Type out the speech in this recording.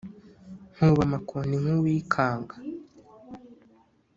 nkuba amakoni nk’uwikanga